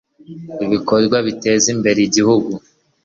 ibikorwa biteza imbere igihugu,